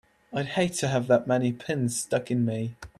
I'd hate to have that many pins stuck in me!